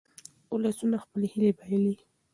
ولسونه خپلې هیلې بایلي.